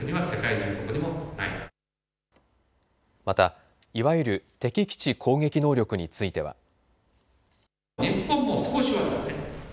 また、いわゆる敵基地攻撃能力については。